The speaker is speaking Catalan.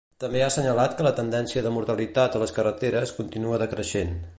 També ha assenyalat que la tendència de mortalitat a les carreteres continua decreixent.